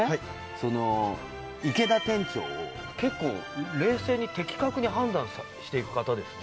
その池田店長結構冷静に的確に判断していく方ですね